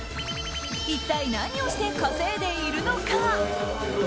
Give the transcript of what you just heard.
一体何をして稼いでいるのか。